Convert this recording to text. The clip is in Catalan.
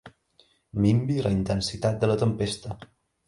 Minvi la intensitat de la tempesta.